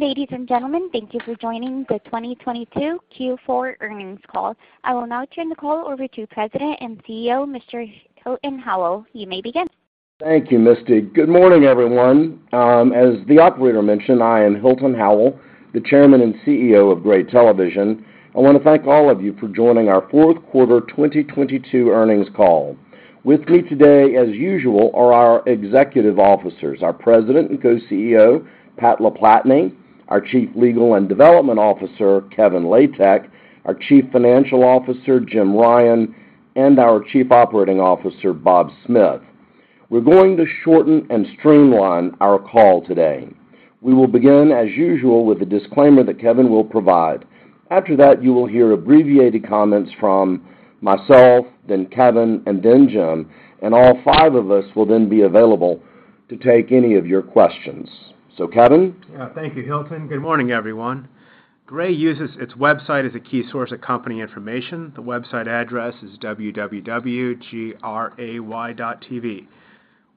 Ladies and gentlemen, thank you for joining the 2022 Q4 earnings call. I will now turn the call over to President and CEO, Mr. Hilton Howell. You may begin. Thank you, Misty. Good morning, everyone. As the operator mentioned, I am Hilton Howell, the Chairman and CEO of Gray Television. I want to thank all of you for joining our fourth quarter 2022 earnings call. With me today, as usual, are our executive officers: our President and Co-CEO, Pat LaPlatney, our Chief Legal and Development Officer, Kevin Latek, our Chief Financial Officer, Jim Ryan, and our Chief Operating Officer, Bob Smith. We're going to shorten and streamline our call today. We will begin, as usual, with a disclaimer that Kevin will provide. After that, you will hear abbreviated comments from myself, then Kevin, and then Jim, and all five of us will then be available to take any of your questions. Kevin? Yeah. Thank you, Hilton. Good morning, everyone. Gray uses its website as a key source of company information. The website address is www.gray.tv.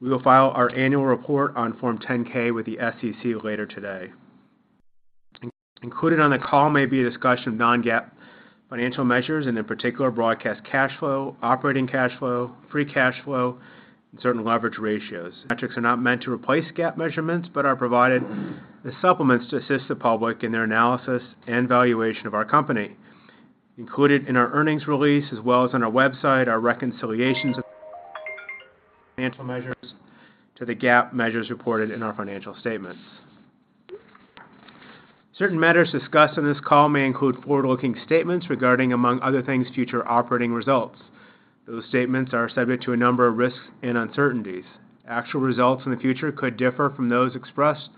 We will file our annual report on Form 10-K with the SEC later today. Included on the call may be a discussion of non-GAAP financial measures, and in particular, broadcast cash flow, operating cash flow, free cash flow, and certain leverage ratios. Metrics are not meant to replace GAAP measurements, but are provided as supplements to assist the public in their analysis and valuation of our company. Included in our earnings release, as well as on our website, are reconciliations of non-GAAP financial measures to the GAAP measures reported in our financial statements. Certain matters discussed on this call may include forward-looking statements regarding, among other things, future operating results. Those statements are subject to a number of risks and uncertainties. Actual results in the future could differ from those expressed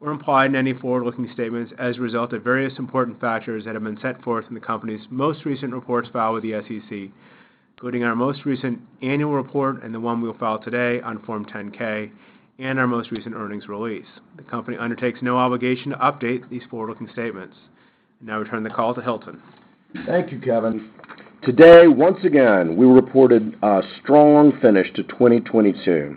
or implied in any forward-looking statements as a result of various important factors that have been set forth in the company's most recent reports filed with the SEC, including our most recent annual report and the one we'll file today on Form 10-K and our most recent earnings release. The company undertakes no obligation to update these forward-looking statements. I turn the call to Hilton. Thank you, Kevin. Today, once again, we reported a strong finish to 2022.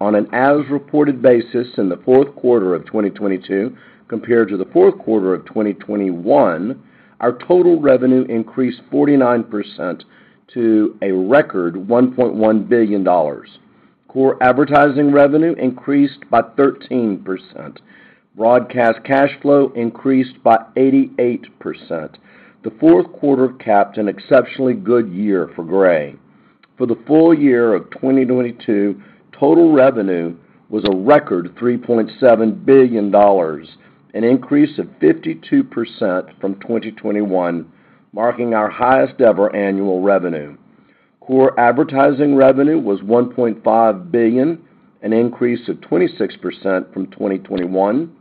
On an as-reported basis in the fourth quarter of 2022 compared to the fourth quarter of 2021, our total revenue increased 49% to a record $1.1 billion. Core advertising revenue increased by 13%. Broadcast cash flow increased by 88%. The fourth quarter capped an exceptionally good year for Gray. For the full year of 2022, total revenue was a record $3.7 billion, an increase of 52% from 2021, marking our highest ever annual revenue. Core advertising revenue was $1.5 billion, an increase of 26% from 2021,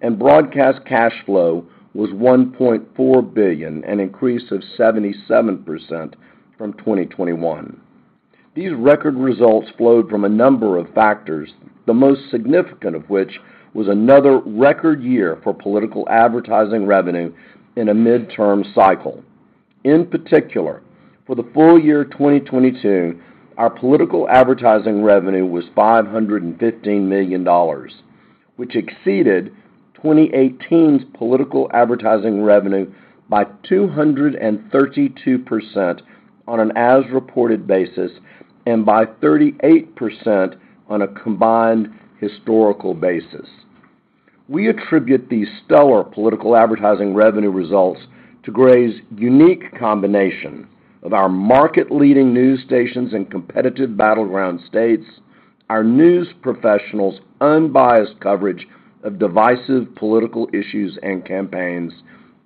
and broadcast cash flow was $1.4 billion, an increase of 77% from 2021. These record results flowed from a number of factors, the most significant of which was another record year for political advertising revenue in a midterm cycle. In particular, for the full year 2022, our political advertising revenue was $515 million, which exceeded 2018's political advertising revenue by 232% on an as-reported basis, and by 38% on a combined historical basis. We attribute these stellar political advertising revenue results to Gray's unique combination of our market-leading news stations in competitive battleground states, our news professionals' unbiased coverage of divisive political issues and campaigns,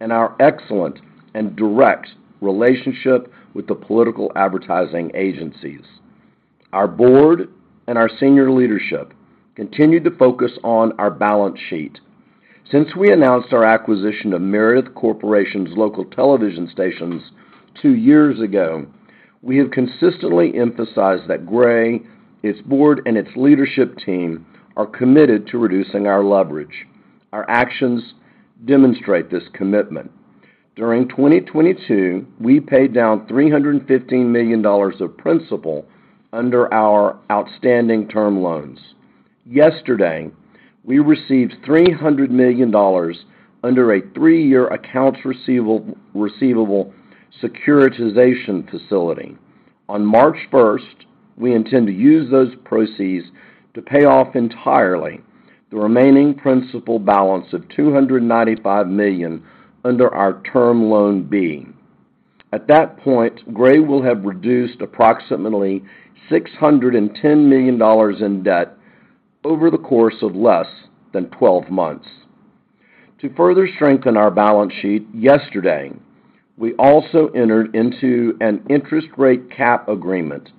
and our excellent and direct relationship with the political advertising agencies. Our board and our senior leadership continued to focus on our balance sheet. Since we announced our acquisition of Meredith Corporation's local television stations two years ago, we have consistently emphasized that Gray, its board, and its leadership team are committed to reducing our leverage. Our actions demonstrate this commitment. During 2022, we paid down $315 million of principal under our outstanding term loans. Yesterday, we received $300 million under a three-year accounts receivable securitization facility. On March 1st, we intend to use those proceeds to pay off entirely the remaining principal balance of $295 million under our Term Loan B. At that point, Gray will have reduced approximately $610 million in debt over the course of less than 12 months. To further strengthen our balance sheet, yesterday, we also entered into an interest rate cap agreement.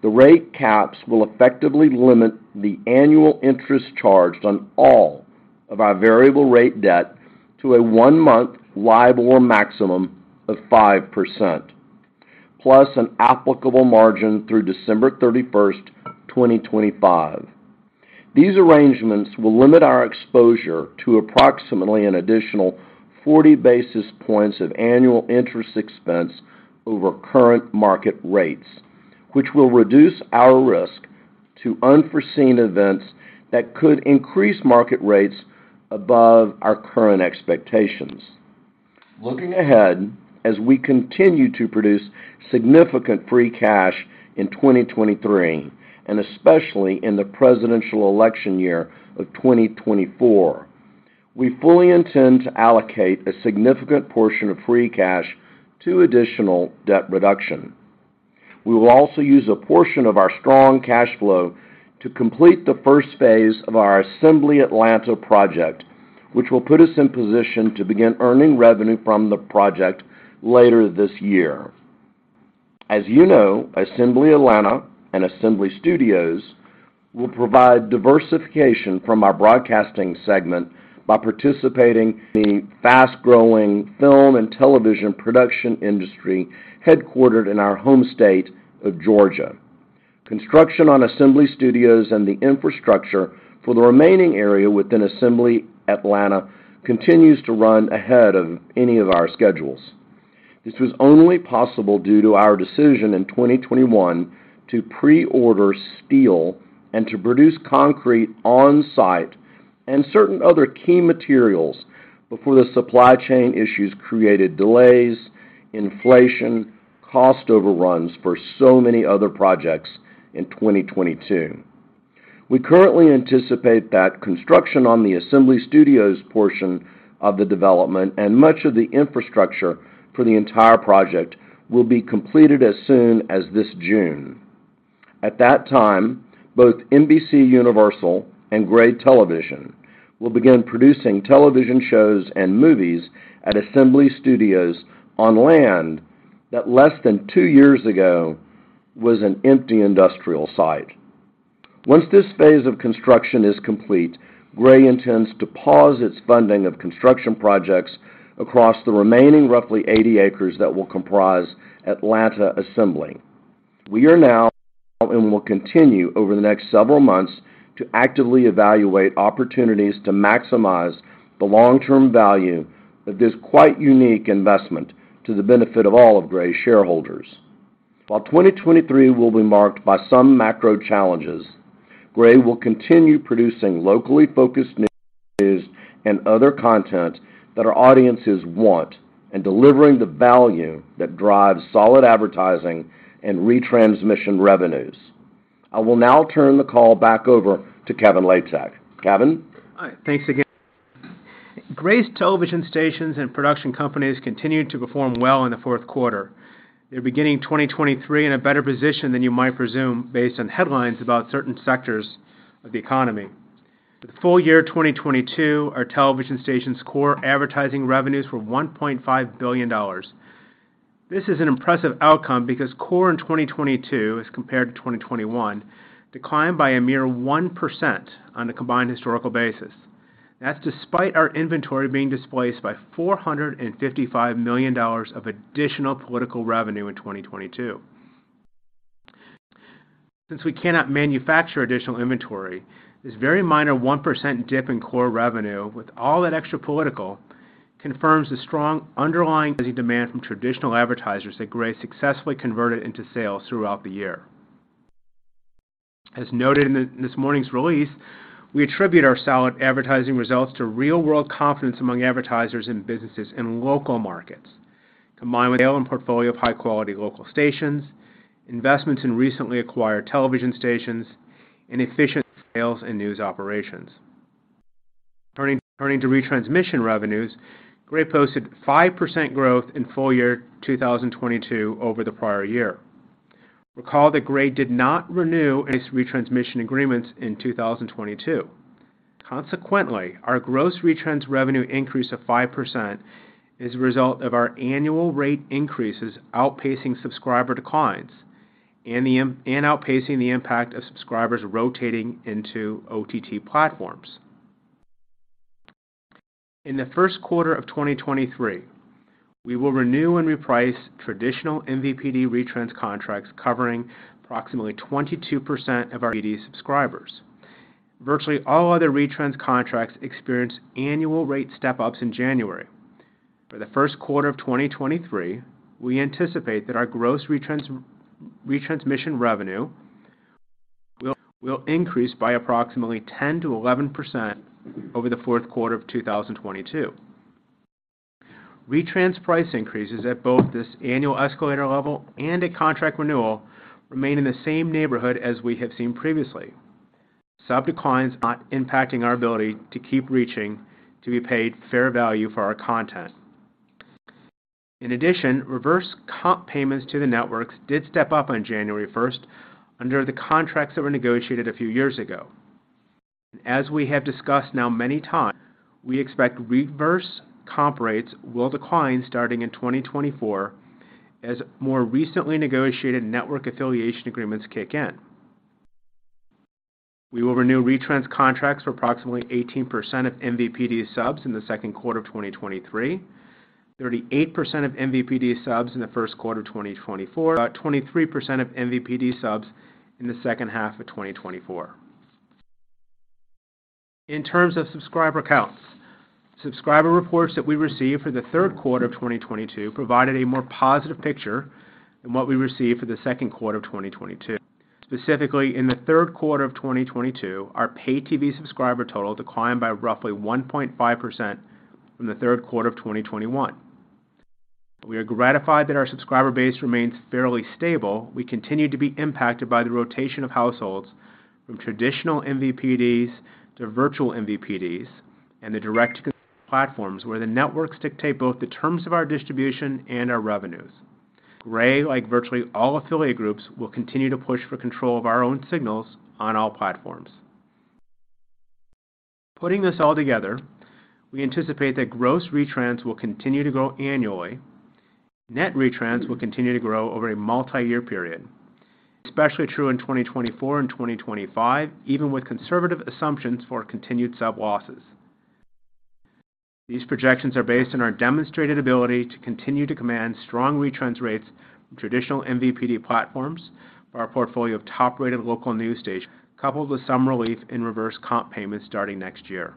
The rate caps will effectively limit the annual interest charged on all of our variable rate debt to a one-month LIBOR maximum of 5%, plus an applicable margin through December 31st, 2025. These arrangements will limit our exposure to approximately an additional 40 basis points of annual interest expense over current market rates, which will reduce our risk to unforeseen events that could increase market rates above our current expectations. Looking ahead, as we continue to produce significant free cash in 2023, and especially in the presidential election year of 2024, we fully intend to allocate a significant portion of free cash to additional debt reduction. We will also use a portion of our strong cash flow to complete the first phase of our Assembly Atlanta project, which will put us in position to begin earning revenue from the project later this year. As you know, Assembly Atlanta and Assembly Studios will provide diversification from our broadcasting segment by participating in fast-growing film and television production industry headquartered in our home state of Georgia. Construction on Assembly Studios and the infrastructure for the remaining area within Assembly Atlanta continues to run ahead of any of our schedules. This was only possible due to our decision in 2021 to pre-order steel and to produce concrete on-site and certain other key materials before the supply chain issues created delays, inflation, cost overruns for so many other projects in 2022. We currently anticipate that construction on the Assembly Studios portion of the development and much of the infrastructure for the entire project will be completed as soon as this June. At that time, both NBCUniversal and Gray Television will begin producing television shows and movies at Assembly Studios on land that less than two years ago was an empty industrial site. Once this phase of construction is complete, Gray intends to pause its funding of construction projects across the remaining roughly 80 acres that will comprise Assembly Atlanta. We are now and will continue over the next several months to actively evaluate opportunities to maximize the long-term value of this quite unique investment to the benefit of all of Gray's shareholders. 2023 will be marked by some macro challenges, Gray will continue producing locally focused news and other content that our audiences want and delivering the value that drives solid advertising and retransmission revenues. I will now turn the call back over to Kevin Latek. Kevin? Hi. Thanks again. Gray Television's stations and production companies continued to perform well in the fourth quarter. They're beginning 2023 in a better position than you might presume based on headlines about certain sectors of the economy. For the full year 2022, our television stations' core advertising revenues were $1.5 billion. This is an impressive outcome because core in 2022, as compared to 2021, declined by a mere 1% on a combined historical basis. That's despite our inventory being displaced by $455 million of additional political revenue in 2022. Since we cannot manufacture additional inventory, this very minor 1% dip in core revenue with all that extra political confirms the strong underlying demand from traditional advertisers that Gray successfully converted into sales throughout the year. As noted in this morning's release, we attribute our solid advertising results to real-world confidence among advertisers and businesses in local markets, combined with a portfolio of high-quality local stations, investments in recently acquired television stations, and efficient sales and news operations. Turning to retransmission revenues, Gray posted 5% growth in full year 2022 over the prior year. Recall that Gray did not renew any retransmission agreements in 2022. Consequently, our gross retrans revenue increase of 5% is a result of our annual rate increases outpacing subscriber declines and outpacing the impact of subscribers rotating into OTT platforms. In the first quarter of 2023, we will renew and reprice traditional MVPD retrans contracts covering approximately 22% of our AD subscribers. Virtually all other retrans contracts experience annual rate step-ups in January. For the first quarter of 2023, we anticipate that our gross retransmission revenue will increase by approximately 10%-11% over the fourth quarter of 2022. Retrans price increases at both this annual escalator level and a contract renewal remain in the same neighborhood as we have seen previously. Sub declines not impacting our ability to keep reaching to be paid fair value for our content. Reverse comp payments to the networks did step up on January 1st under the contracts that were negotiated a few years ago. We have discussed now many times, we expect reverse comp rates will decline starting in 2024 as more recently negotiated network affiliation agreements kick in. We will renew retrans contracts for approximately 18% of MVPD subs in the second quarter of 2023, 38% of MVPD subs in the first quarter of 2024, about 23% of MVPD subs in the second half of 2024. In terms of subscriber counts, subscriber reports that we received for the third quarter of 2022 provided a more positive picture than what we received for the second quarter of 2022. Specifically, in the third quarter of 2022, our pay TV subscriber total declined by roughly 1.5% from the third quarter of 2021. We are gratified that our subscriber base remains fairly stable. We continue to be impacted by the rotation of households from traditional MVPDs to virtual MVPDs and the direct platforms where the networks dictate both the terms of our distribution and our revenues. Gray, like virtually all affiliate groups, will continue to push for control of our own signals on all platforms. Putting this all together, we anticipate that gross retrans will continue to grow annually. Net retrans will continue to grow over a multi-year period, especially true in 2024 and 2025, even with conservative assumptions for continued sub-losses. These projections are based on our demonstrated ability to continue to command strong retrans rates from traditional MVPD platforms for our portfolio of top-rated local news stations, coupled with some relief in reverse comp payments starting next year.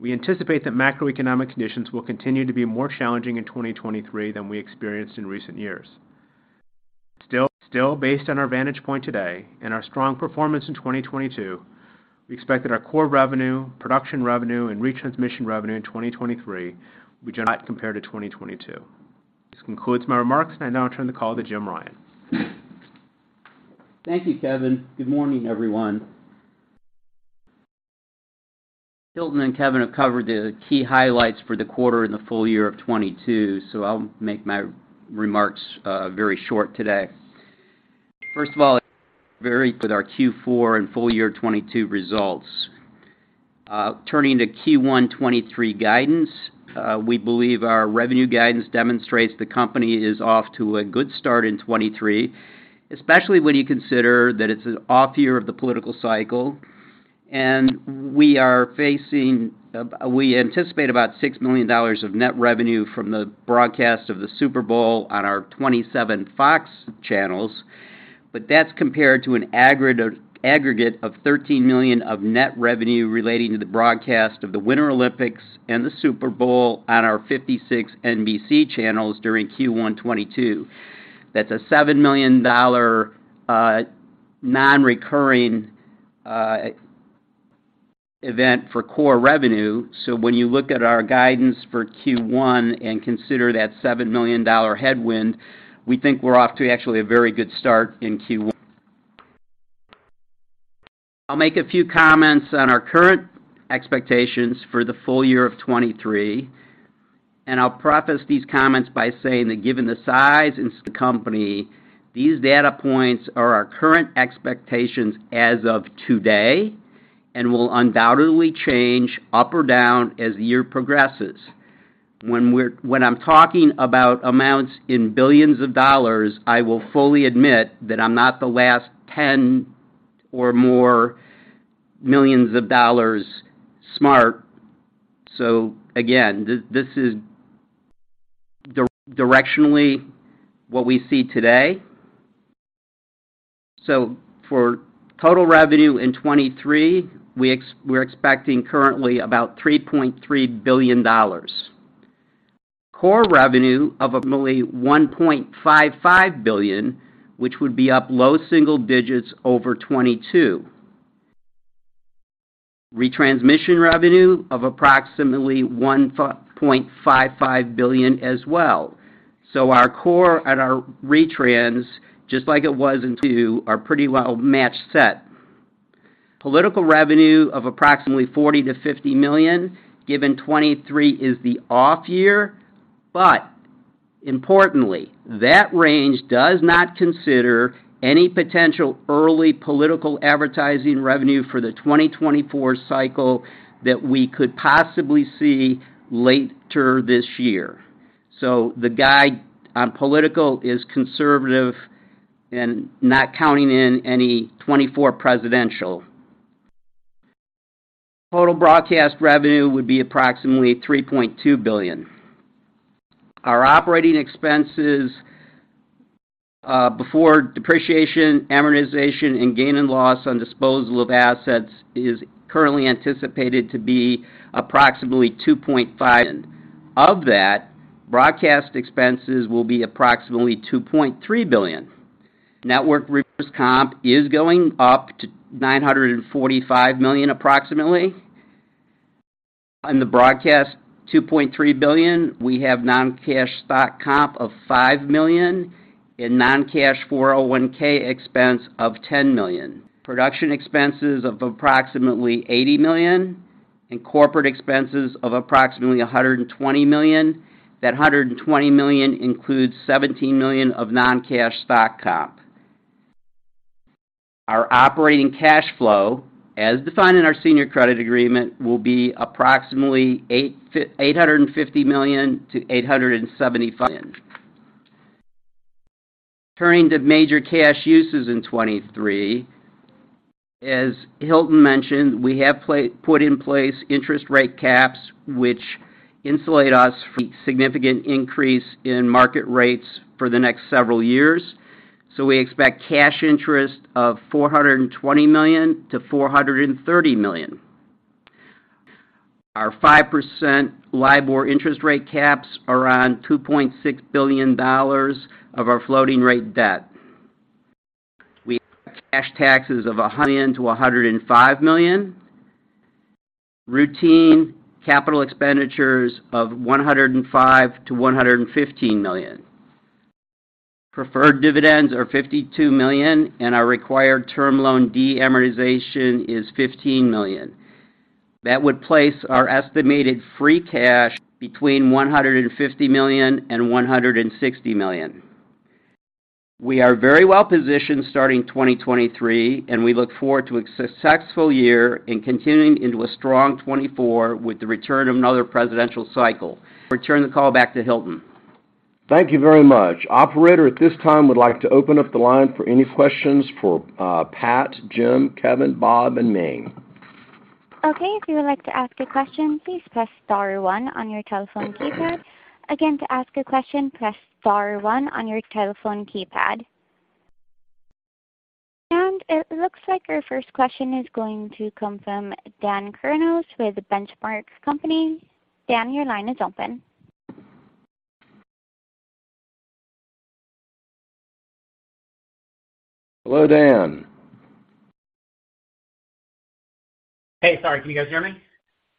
We anticipate that macroeconomic conditions will continue to be more challenging in 2023 than we experienced in recent years. Still, based on our vantage point today and our strong performance in 2022, we expect that our core revenue, production revenue, and retransmission revenue in 2023 will be generally flat compared to 2022. This concludes my remarks, and I now turn the call to Jim Ryan. Thank you, Kevin. Good morning, everyone. Hilton and Kevin have covered the key highlights for the quarter and the full year of 2022, so I'll make my remarks very short today. First of all, very pleased with our Q4 and full year 2022 results. Turning to Q1 2023 guidance, we believe our revenue guidance demonstrates the company is off to a good start in 2023, especially when you consider that it's an off year of the political cycle. We anticipate about $6 million of net revenue from the broadcast of the Super Bowl on our 27 Fox channels. That's compared to an aggregate of $13 million of net revenue relating to the broadcast of the Winter Olympics and the Super Bowl on our 56 NBC channels during Q1 2022. That's a $7 million non-recurring event for core revenue. When you look at our guidance for Q1 and consider that $7 million headwind, we think we're off to actually a very good start in Q1. I'll make a few comments on our current expectations for the full year of 2023, and I'll preface these comments by saying that given the size and scale of the company, these data points are our current expectations as of today and will undoubtedly change up or down as the year progresses. When I'm talking about amounts in billions of dollars, I will fully admit that I'm not the last $10 millions or more millions of dollars smart. Again, this is directionally what we see today. For total revenue in 2023, we're expecting currently about $3.3 billion. Core revenue of approximately $1.55 billion, which would be up low single digits over 2022. Retransmission revenue of approximately $1.55 billion as well. Our core and our retrans, just like it was in 2022, are pretty well matched set. Political revenue of approximately $40 million-$50 million, given 2023 is the off year. Importantly, that range does not consider any potential early political advertising revenue for the 2024 cycle that we could possibly see later this year. The guide on political is conservative and not counting in any 2024 presidential. Total broadcast revenue would be approximately $3.2 billion. Our operating expenses, before depreciation, amortization, and gain and loss on disposal of assets is currently anticipated to be approximately $2.5 billion. Of that, broadcast expenses will be approximately $2.3 billion. Network reverse comp is going up to $945 million approximately. On the broadcast $2.3 billion, we have non-cash stock comp of $5 million and non-cash 401(k) expense of $10 million. Production expenses of approximately $80 million and corporate expenses of approximately $120 million. That $120 million includes $17 million of non-cash stock comp. Our operating cash flow, as defined in our Senior Credit Agreement, will be approximately $850 million-$875 million. Turning to major cash uses in 2023. As Hilton mentioned, we have put in place interest rate caps, which insulate us from significant increase in market rates for the next several years. We expect cash interest of $420 million-$430 million. Our 5% LIBOR interest rate caps around $2.6 billion of our floating rate debt. We cash taxes of $100 million-$105 million. Routine capital expenditures of $105 million-$115 million. Preferred dividends are $52 million, and our required Term Loan D amortization is $15 million. That would place our estimated free cash between $150 million and $160 million. We are very well-positioned starting 2023, and we look forward to a successful year and continuing into a strong 2024 with the return of another presidential cycle. Return the call back to Hilton. Thank you very much. Operator at this time would like to open up the line for any questions for Pat, Jim, Kevin, Bob, and Me. Okay. If you would like to ask a question, please press star one on your telephone keypad. Again, to ask a question, press star one on your telephone keypad. It looks like our first question is going to come from Dan Kurnos with The Benchmark Company. Dan, your line is open. Hello, Dan. Hey, sorry. Can you guys hear me?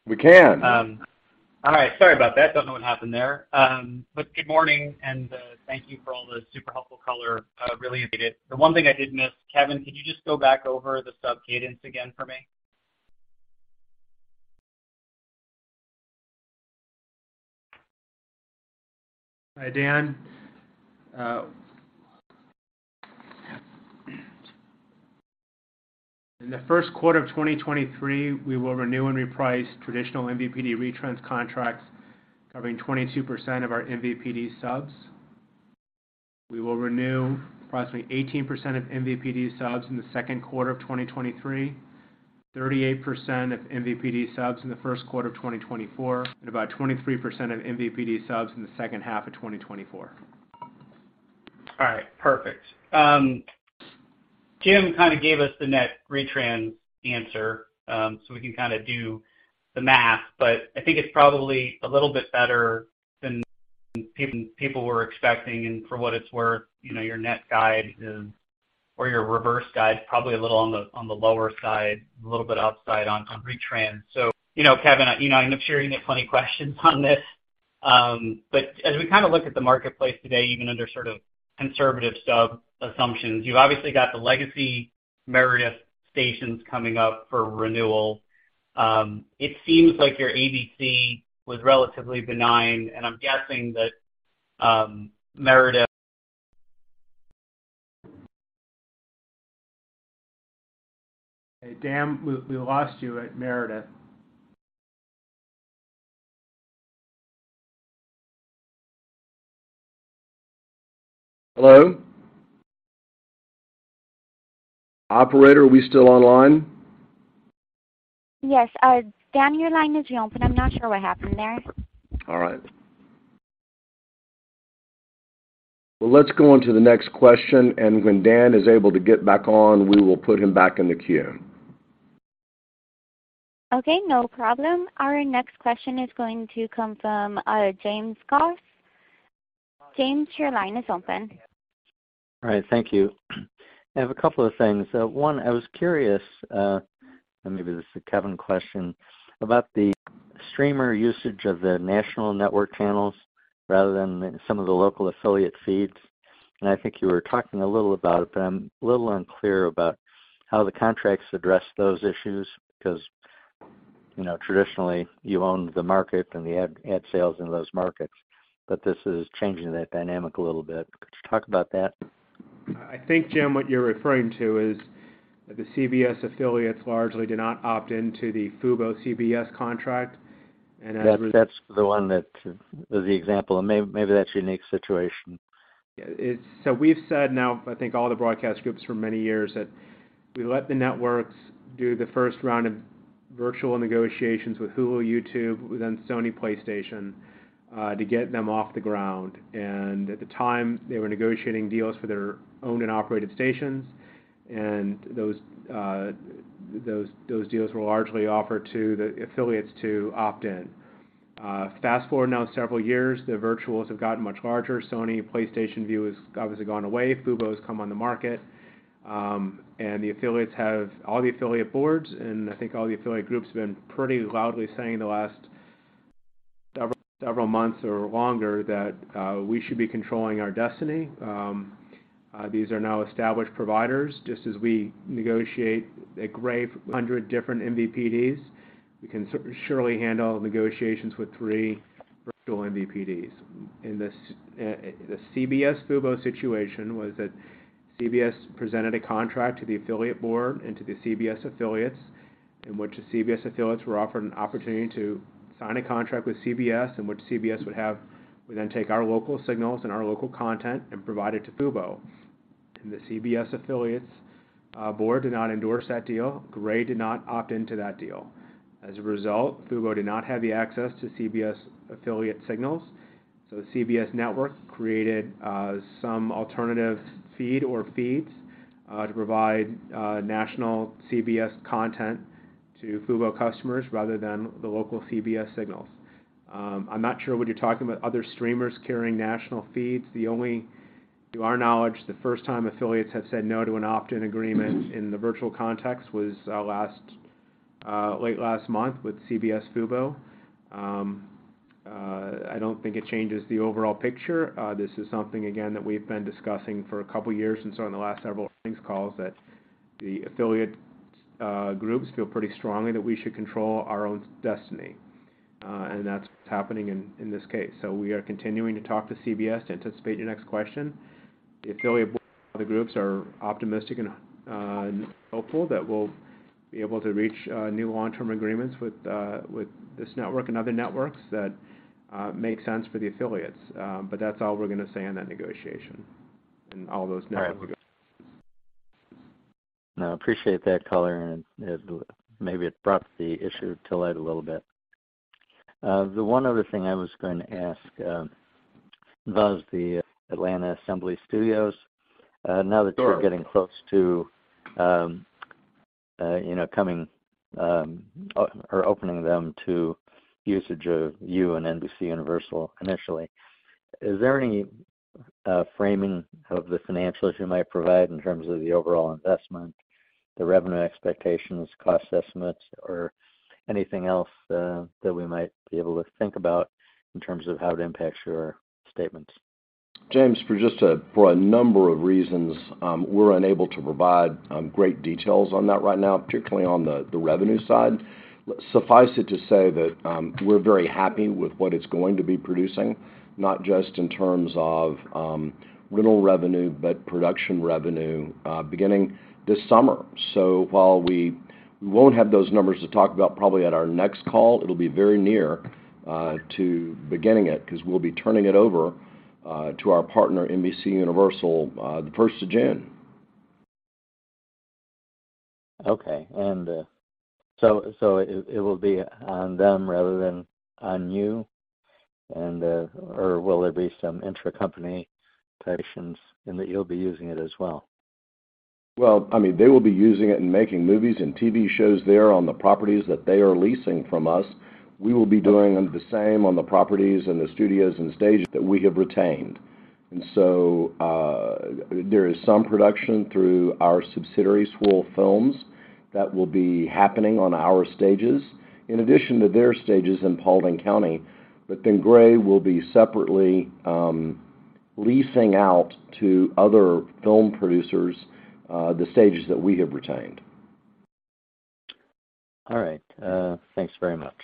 We can. All right. Sorry about that. Don't know what happened there. Good morning, and thank you for all the super helpful color. Really appreciate it. The one thing I did miss, Kevin, could you just go back over the sub cadence again for me? Hi, Dan. In the first quarter of 2023, we will renew and reprice traditional MVPD retrans contracts covering 22% of our MVPD subs. We will renew approximately 18% of MVPD subs in the second quarter of 2023, 38% of MVPD subs in the first quarter of 2024, about 23% of MVPD subs in the second half of 2024. All right. Perfect. Jim kinda gave us the net retrans answer, so we can kinda do the math, but I think it's probably a little bit better than people were expecting. For what it's worth, you know, your net guide is or your reverse guide is probably a little on the, on the lower side, a little bit upside on retrans. You know, Kevin, you know, and I'm sure you get plenty of questions on this. As we kinda look at the marketplace today, even under sort of conservative sub assumptions, you've obviously got the legacy Meredith stations coming up for renewal. It seems like your ABC was relatively benign, and I'm guessing that, Meredith- Dan, we lost you at Meredith. Hello? Operator, are we still online? Yes. Dan, your line is open. I'm not sure what happened there. All right. Well, let's go on to the next question, and when Dan is able to get back on, we will put him back in the queue. Okay, no problem. Our next question is going to come from James Goss. James, your line is open. All right. Thank you. I have a couple of things. One, I was curious, maybe this is a Kevin question, about the streamer usage of the national network channels rather than some of the local affiliate feeds. I think you were talking a little about it, but I'm a little unclear about how the contracts address those issues because, you know, traditionally you owned the market and the ad sales in those markets, but this is changing that dynamic a little bit. Could you talk about that? I think, Jim, what you're referring to is the CBS affiliates largely do not opt into the FuboTV CBS contract. That's the one that the example. Maybe that's a unique situation. We've said now, I think all the broadcast groups for many years that we let the networks do the first round of virtual negotiations with Hulu, YouTube, then Sony PlayStation to get them off the ground. At the time, they were negotiating deals for their owned and operated stations, and those deals were largely offered to the affiliates to opt-in. Fast-forward now several years, the virtuals have gotten much larger. Sony PlayStation Vue has obviously gone away. Fubo's come on the market, and the affiliates have all the affiliate boards, and I think all the affiliate groups have been pretty loudly saying the last several months or longer that we should be controlling our destiny. These are now established providers. Just as we negotiate a great hundred different MVPDs, we can surely handle negotiations with three virtual MVPDs. The CBS Fubo situation was that CBS presented a contract to the affiliate board and to the CBS affiliates, in which the CBS affiliates were offered an opportunity to sign a contract with CBS, in which CBS would then take our local signals and our local content and provide it to Fubo. The CBS Affiliates board did not endorse that deal. Gray did not opt into that deal. As a result, FuboTV did not have the access to CBS affiliate signals. CBS network created some alternative feed or feeds to provide national CBS content to FuboTV customers rather than the local CBS signals. I'm not sure when you're talking about other streamers carrying national feeds. To our knowledge, the first time affiliates have said no to an opt-in agreement in the virtual context was late last month with CBS FuboTV. I don't think it changes the overall picture. This is something again that we've been discussing for a couple years. In the last several earnings calls that the affiliate groups feel pretty strongly that we should control our own destiny, and that's what's happening in this case. We are continuing to talk to CBS to anticipate your next question. The affiliate board and other groups are optimistic and hopeful that we'll be able to reach new long-term agreements with this network and other networks that make sense for the affiliates. That's all we're gonna say in that negotiation and all those networks. All right. No, I appreciate that color, and maybe it brought the issue to light a little bit. The one other thing I was going to ask, was the Atlanta Assembly Studios. Sure. you're getting close to, you know, coming, or opening them to usage of you and NBCUniversal initially. Is there any framing of the financials you might provide in terms of the overall investment, the revenue expectations, cost estimates or anything else that we might be able to think about in terms of how it impacts your statements? James, for just, for a number of reasons, we're unable to provide great details on that right now, particularly on the revenue side. Suffice it to say that we're very happy with what it's going to be producing, not just in terms of rental revenue, but production revenue, beginning this summer. While we won't have those numbers to talk about, probably at our next call, it'll be very near to beginning it because we'll be turning it over to our partner, NBCUniversal, the first of June. Okay. It will be on them rather than on you, and or will there be some intracompany participations in that you'll be using it as well? Well, I mean, they will be using it and making movies and TV shows there on the properties that they are leasing from us. We will be doing the same on the properties and the studios and stages that we have retained. There is some production through our subsidiary Swirl Films that will be happening on our stages in addition to their stages in Paulding County. Gray will be separately leasing out to other film producers the stages that we have retained. All right. Thanks very much.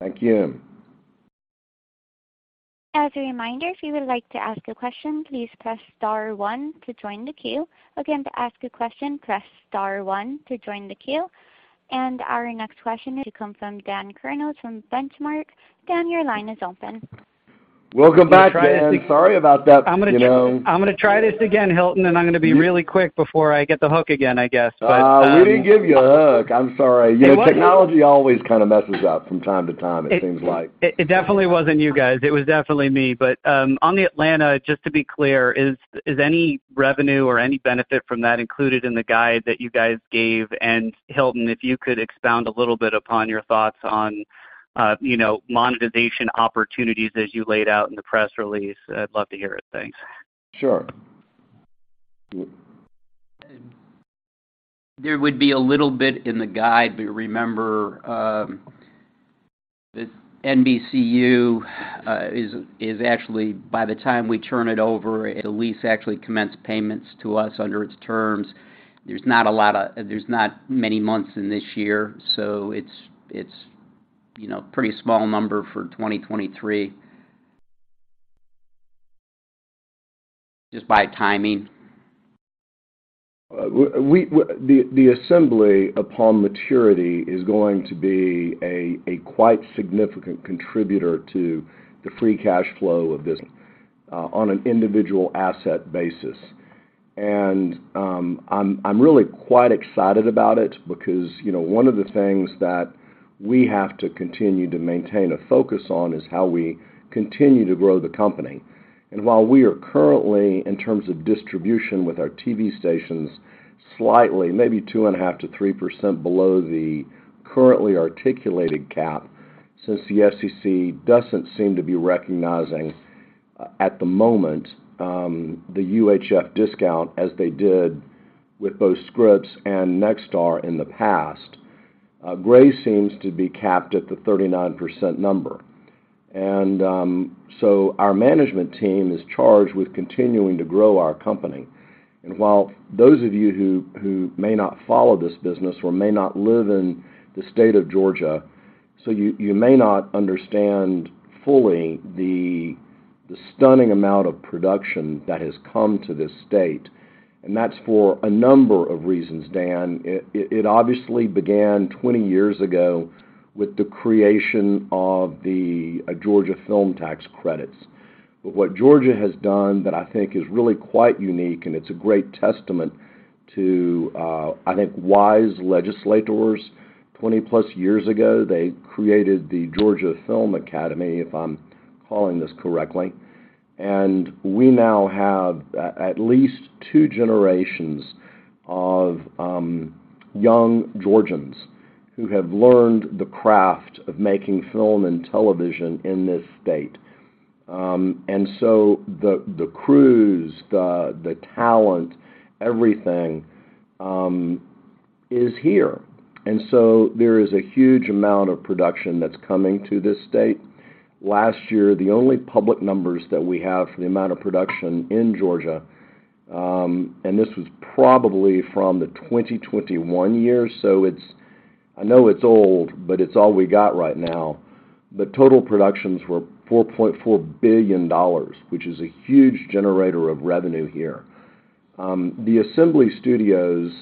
Thank you. As a reminder, if you would like to ask a question, please press star one to join the queue. Again, to ask a question, press star one to join the queue. Our next question is to come from Dan Kurnos from Benchmark. Dan, your line is open. Welcome back, Dan. Sorry about that, you know. I'm gonna try this again, Hilton, and I'm gonna be really quick before I get the hook again, I guess. We didn't give you a hook. I'm sorry. You know, technology always kind of messes up from time to time, it seems like. It definitely wasn't you guys. It was definitely me. On the Atlanta, just to be clear, is any revenue or any benefit from that included in the guide that you guys gave? Hilton, if you could expound a little bit upon your thoughts on, you know, monetization opportunities as you laid out in the press release, I'd love to hear it. Thanks. Sure. There would be a little bit in the guide, but remember, that NBCU is actually by the time we turn it over, the lease actually commenced payments to us under its terms. There's not many months in this year, so it's, you know, pretty small number for 2023 just by timing. The Assembly upon maturity is going to be a quite significant contributor to the free cash flow of this on an individual asset basis. I'm really quite excited about it because, you know, one of the things that we have to continue to maintain a focus on is how we continue to grow the company. While we are currently, in terms of distribution with our TV stations, slightly maybe 2.5%-3% below the currently articulated cap, since the FCC doesn't seem to be recognizing at the moment, the UHF Discount as they did with both Scripps and Nexstar in the past, Gray seems to be capped at the 39% number. Our management team is charged with continuing to grow our company. While those of you who may not follow this business or may not live in the state of Georgia, so you may not understand fully the stunning amount of production that has come to this state, and that's for a number of reasons, Dan. It obviously began 20 years ago with the creation of the Georgia Film Tax Credits. What Georgia has done that I think is really quite unique, and it's a great testament to, I think wise legislators 20+ years ago, they created the Georgia Film Academy, if I'm calling this correctly. We now have at least two generations of young Georgians who have learned the craft of making film and television in this state. The crews, the talent, everything is here. There is a huge amount of production that's coming to this state. Last year, the only public numbers that we have, for the amount of production in Georgia, and this was probably from the 2021 year, so I know it's old, but it's all we got right now. The total productions were $4.4 billion, which is a huge generator of revenue here. The Assembly Studios,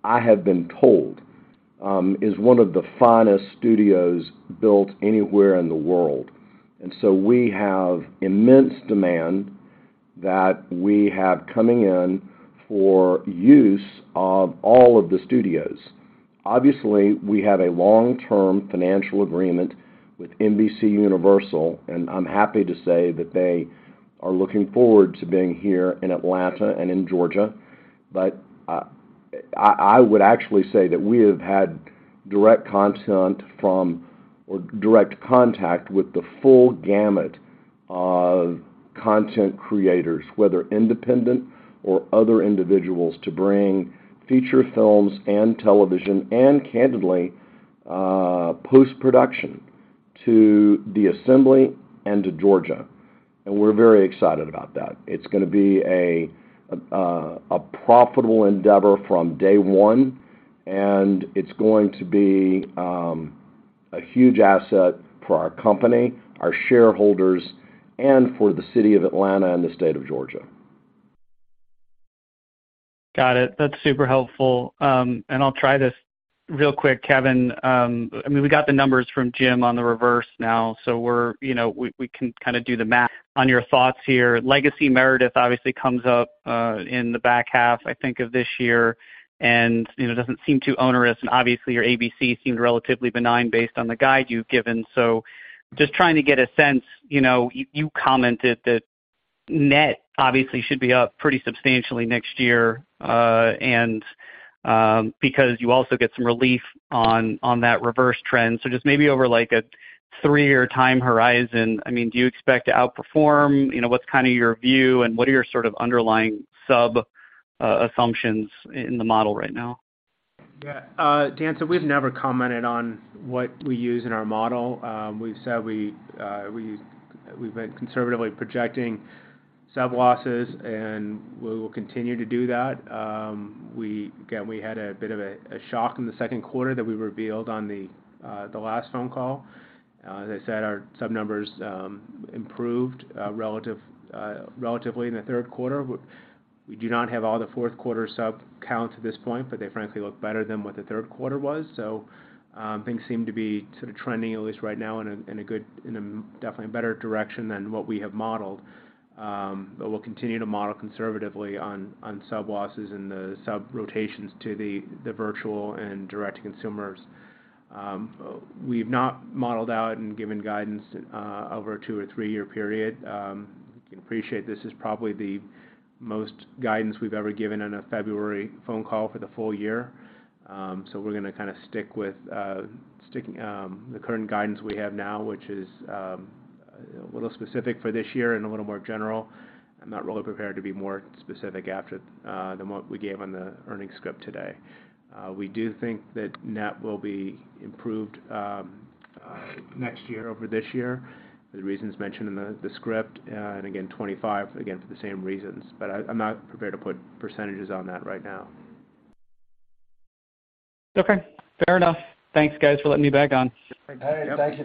I have been told is one of the finest studios built anywhere in the world. We have immense demand that we have coming in for use of all of the studios. Obviously, we have a long-term financial agreement with NBCUniversal. I'm happy to say that they are looking forward to being here in Atlanta and in Georgia. I would actually say that we have had direct contact from or direct contact with the full gamut of content creators, whether independent or other individuals, to bring feature films and television and candidly, post-production to the Assembly and to Georgia. We're very excited about that. It's gonna be a profitable endeavor from day one, and it's going to be a huge asset for our company, our shareholders, and for the city of Atlanta and the state of Georgia. Got it. That's super helpful. I'll try this real quick, Kevin. I mean, we got the numbers from Jim on the reverse now, so we're, you know, we can kind of do the math on your thoughts here. Legacy Meredith obviously comes up in the back half, I think, of this year and, you know, doesn't seem too onerous, and obviously, your ABC seems relatively benign based on the guide you've given. Just trying to get a sense, you know, you commented that net obviously should be up pretty substantially next year, and because you also get some relief on that reverse trend. Just maybe over like a three-year time horizon, I mean, do you expect to outperform? You know, what's kind of your view? What are your sort of underlying sub assumptions in the model right now? Yeah. Dan, we've never commented on what we use in our model. We've said we've been conservatively projecting sub losses, and we will continue to do that. We, again, we had a bit of a shock in the second quarter that we revealed on the last phone call. As I said, our sub numbers improved relatively in the third quarter. We do not have all the fourth quarter sub counts at this point, but they frankly look better than what the third quarter was. Things seem to be sort of trending, at least right now, in a good, definitely a better direction than what we have modeled. We'll continue to model conservatively on sub losses and the sub rotations to the virtual and direct-to-consumer. We've not modeled out and given guidance over a two or three-year period. You can appreciate this is probably the most guidance we've ever given on a February phone call for the full year. We're gonna kind of stick with the current guidance we have now, which is a little specific for this year and a little more general. I'm not really prepared to be more specific after than what we gave on the earnings script today. We do think that net will be improved next year over this year for the reasons mentioned in the script, and again, 2025 again, for the same reasons. I'm not prepared to put percentages on that right now. Okay. Fair enough. Thanks, guys, for letting me back on. All right. Thank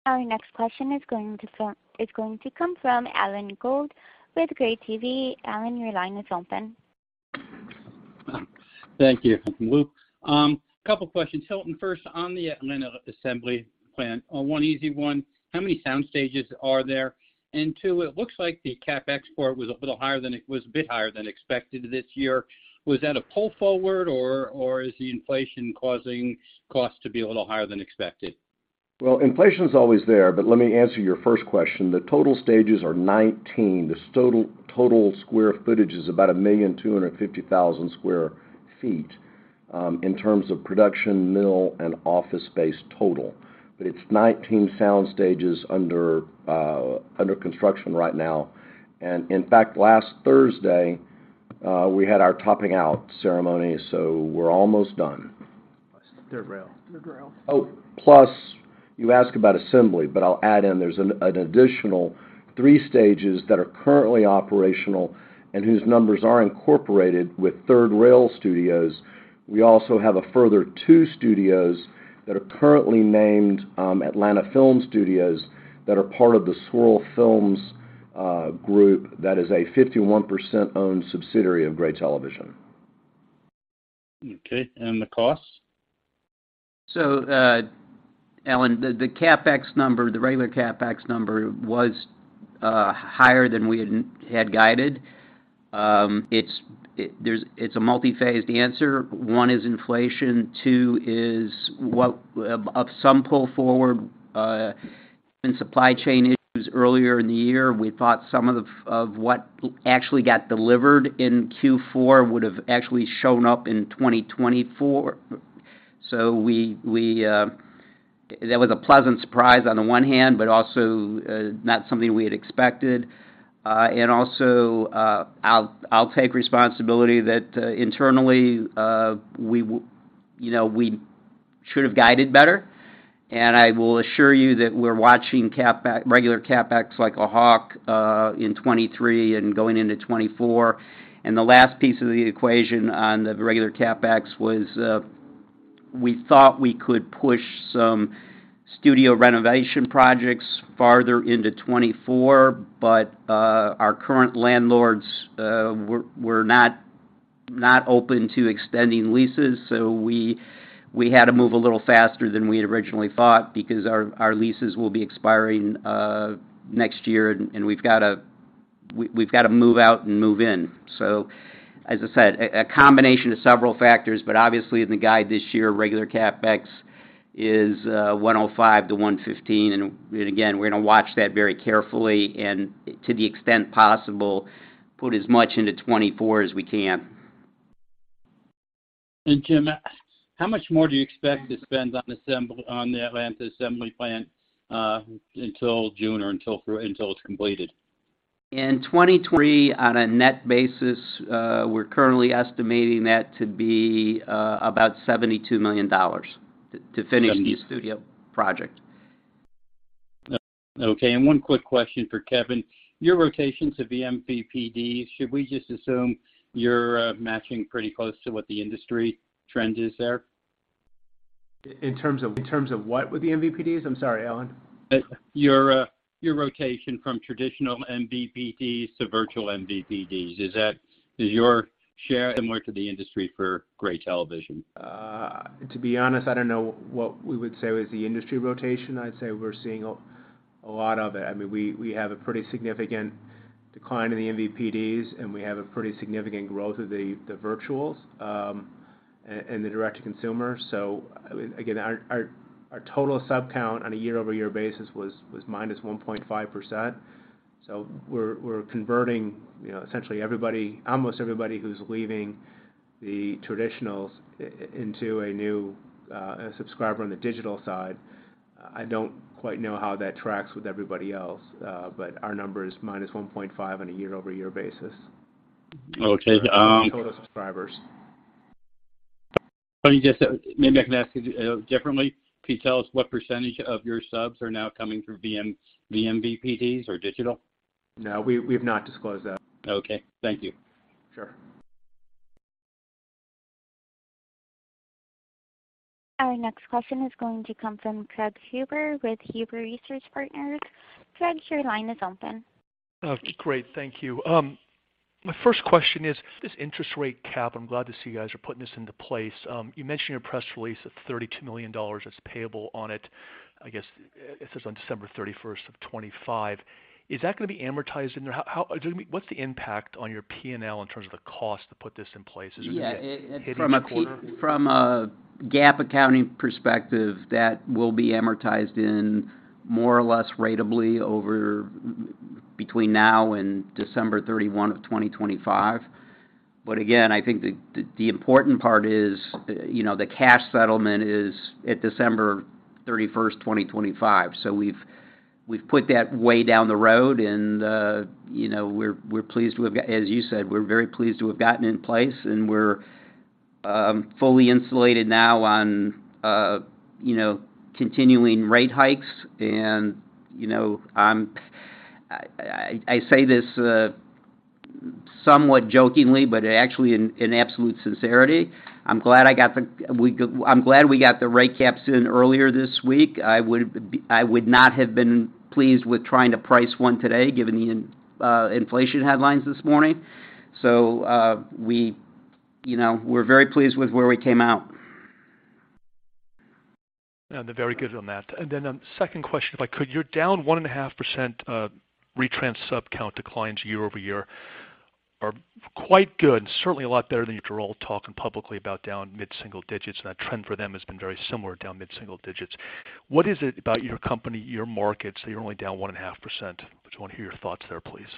you, Dan. Yep. Anytime. Our next question is going to come from Alan Gould with Gray TV. Alan, your line is open. Thank you, couple of questions. Hilton first, on the Atlanta Assembly plant. one easy one, how many sound stages are there? Two, it looks like the CapEx for it was a bit higher than expected this year. Was that a pull forward, or is the inflation causing costs to be a little higher than expected? Inflation's always there, but let me answer your first question. The total stages are 19. The total square footage is about 1,250,000 sq ft in terms of production mill and office space total. It's 19 sound stages under construction right now. In fact, last Thursday, we had our topping out ceremony, so we're almost done. Plus Third Rail. Third Rail. Oh, plus you ask about Assembly, but I'll add in, there's an additional three stages that are currently operational and whose numbers are incorporated with Third Rail Studios. We also have a further two studios that are currently named, ATL Film Studios that are part of the Swirl Films group that is a 51% owned subsidiary of Gray Television. Okay. The costs? Alan, the CapEx number, the regular CapEx number was higher than we had guided. It's a multi-phase. The answer one is inflation. Two is of some pull forward and supply chain issues earlier in the year. We thought some of what actually got delivered in Q4 would have actually shown up in 2024. That was a pleasant surprise on the one hand, but also not something we had expected. I'll take responsibility that internally, you know, we should have guided better. I will assure you that we're watching CapEx, regular CapEx, like a hawk in 2023 and going into 2024. The last piece of the equation on the regular CapEx was, we thought we could push some studio renovation projects farther into 2024, but our current landlords were not open to extending leases, so we had to move a little faster than we had originally thought because our leases will be expiring next year, and we've got to move out and move in. As I said, a combination of several factors, but obviously in the guide this year, regular CapEx is $105 million-$115 million. Again, we're gonna watch that very carefully and to the extent possible, put as much into 2024 as we can. Jim, how much more do you expect to spend on the Atlanta Assembly Plant, until June or until it's completed? In 2023, on a net basis, we're currently estimating that to be about $72 million to finish the studio project. Okay. One quick question for Kevin. Your rotation to the MVPD, should we just assume you're matching pretty close to what the industry trend is there? In terms of what with the MVPDs? I'm sorry, Alan. Your, your rotation from traditional MVPD to virtual MVPDs, is your share similar to the industry for Gray Television? To be honest, I don't know what we would say was the industry rotation. I'd say we're seeing a lot of it. I mean, we have a pretty significant decline in the MVPDs, and we have a pretty significant growth of the virtuals and the direct-to-consumer. Again, our total sub count on a year-over-year basis was -1.5%. We're converting, you know, essentially everybody, almost everybody who's leaving the traditionals into a new subscriber on the digital side. I don't quite know how that tracks with everybody else, but our number is -1.5% on a year-over-year basis. Okay. Total subscribers. Let me just... Maybe I can ask you differently. Can you tell us what percentage of your subs are now coming through vMVPDs or digital? No, we've not disclosed that. Okay, thank you. Sure. Our next question is going to come from Craig Huber with Huber Research Partners. Craig, your line is open. Great. Thank you. My first question is this interest rate cap. I'm glad to see you guys are putting this into place. You mentioned your press release of $32 million that's payable on it says on December 31st, 2025. Is that gonna be amortized in there? What's the impact on your P&L in terms of the cost to put this in place? Is it gonna hit in the quarter? From a GAAP accounting perspective, that will be amortized in more or less ratably over between now and December 31, 2025. Again, I think the important part is, you know, the cash settlement is at December 31st, 2025. We've put that way down the road and, you know, we're very pleased to have gotten in place, and we're fully insulated now on, you know, continuing rate hikes. You know, I say this somewhat jokingly, but actually in absolute sincerity, I'm glad we got the rate caps in earlier this week. I would not have been pleased with trying to price one today given the inflation headlines this morning. We, you know, we're very pleased with where we came out. Very good on that. Second question, if I could. You're down 1.5%, retrans sub count declines year-over-year are quite good. Certainly a lot better than you've heard all talking publicly about down mid-single digits. That trend for them has been very similar, down mid-single digits. What is it about your company, your markets that you're only down 1.5%? I just wanna hear your thoughts there, please.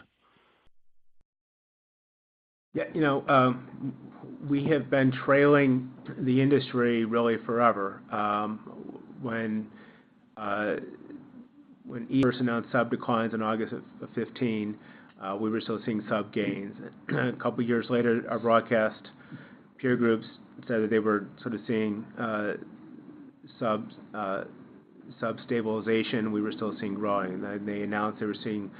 You know, we have been trailing the industry really forever. When each announced sub declines in August of 2015, we were still seeing sub gains. A couple of years later, our broadcast peer groups said that they were sort of seeing sub stabilization. We were still seeing growing. They announced they were seeing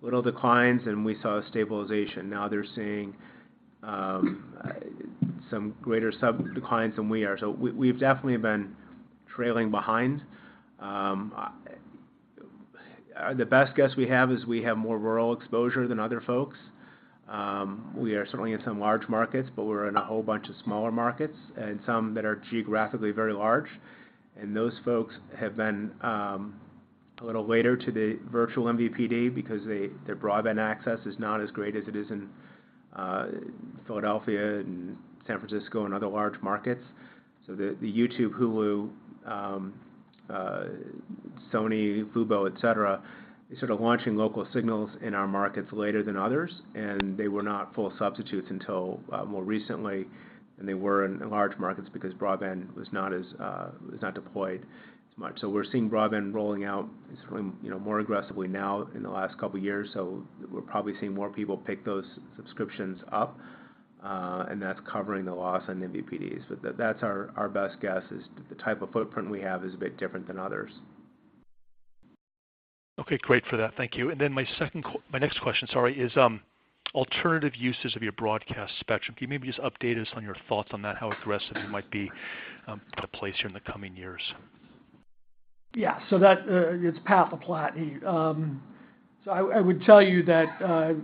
little declines, and we saw stabilization. Now they're seeing some greater sub declines than we are. We've definitely been trailing behind. The best guess we have is we have more rural exposure than other folks. We are certainly in some large markets, but we're in a whole bunch of smaller markets and some that are geographically very large. Those folks have been a little later to the virtual MVPD because their broadband access is not as great as it is in Philadelphia and San Francisco and other large markets. The YouTube, Hulu, Sony, FuboTV, et cetera, they're sort of launching local signals in our markets later than others. They were not full substitutes until more recently than they were in large markets because broadband was not as was not deployed as much. We're seeing broadband rolling out, you know, more aggressively now in the last couple of years. We're probably seeing more people pick those subscriptions up, and that's covering the loss in MVPDs. That's our best guess is the type of footprint we have is a bit different than others. Okay, great for that. Thank you. My next question, sorry, is, alternative uses of your broadcast spectrum. Can you maybe just update us on your thoughts on that, how aggressive you might be to put in place here in the coming years? Yeah. That, it's Pat LaPlatney. I would tell you that,